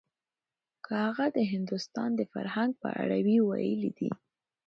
که هغه د هندوستان د فرهنګ په اړه وی ويلي دي.